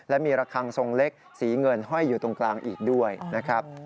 และมีระคังทรงเล็กสีเงินห้อยอยู่ตรงกลางอีกด้วยนะครับ